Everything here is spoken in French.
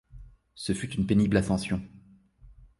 Ce fut une pénible ascension.